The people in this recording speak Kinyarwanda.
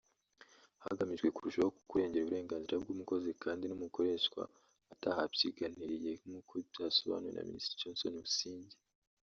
hagamijwe kurushaho kurengera uburenganzira bw’umukozi kandi n’umukoreshwa atahapyinagariye nk’uko byasobanuye na Minisitiri Johnston Busingye